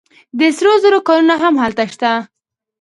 د سرو زرو کانونه هم هلته شته.